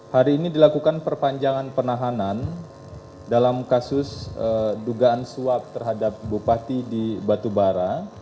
hari ini dilakukan perpanjangan penahanan dalam kasus dugaan suap terhadap bupati di batubara